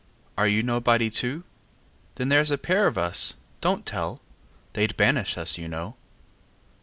Are you nobody, too? Then there 's a pair of us don't tell! They 'd banish us, you know.